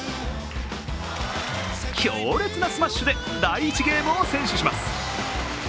強烈なスマッシュで第１ゲームを先取します。